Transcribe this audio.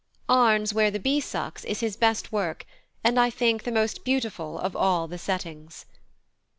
+Arne's+ "Where the bee sucks" is his best work, and, I think, the most beautiful of all the settings.